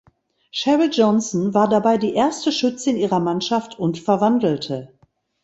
Sheryl Johnson war dabei die erste Schützin ihrer Mannschaft und verwandelte.